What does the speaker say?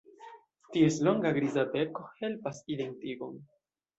Ties longa griza beko helpas identigon.